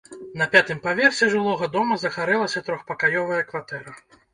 На пятым паверсе жылога дома загарэлася трохпакаёвая кватэра.